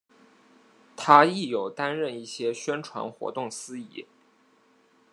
她亦有担任一些宣传活动司仪。